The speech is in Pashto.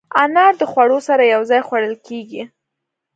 انار د خوړو سره یو ځای خوړل کېږي.